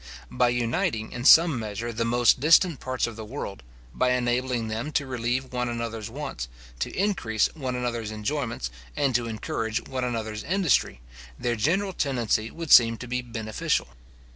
By uniting in some measure the most distant parts of the world, by enabling them to relieve one another's wants, to increase one another's enjoyments, and to encourage one another's industry, their general tendency would seem to be beneficial.